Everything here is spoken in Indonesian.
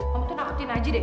kamu tuh nakutin aja deh